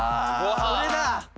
それだ。